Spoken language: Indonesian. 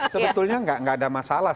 sebetulnya nggak ada masalah